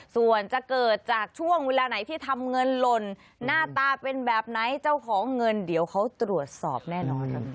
ส่วนจะเกิดจากช่วงเวลาไหนที่ทำเงินหล่นหน้าตาเป็นแบบไหนเจ้าของเงินเดี๋ยวเขาตรวจสอบแน่นอนครับ